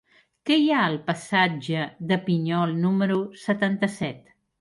Què hi ha al passatge de Pinyol número setanta-set?